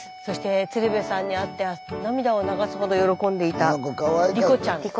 そして鶴瓶さんに会って涙を流すほど喜んでいた梨心ちゃん。